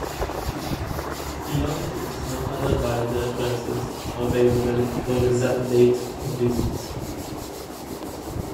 Beyond this no other valid references are available for exact date of visit.